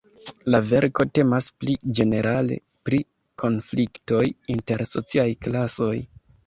La verko temas pli ĝenerale pri konfliktoj inter sociaj klasoj.